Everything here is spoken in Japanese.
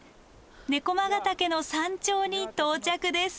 猫魔ヶ岳の山頂に到着です。